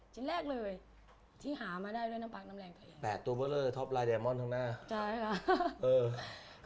เจ๊แม้วตาไปดูหน่อยห้องของขุ้งกิ๊ก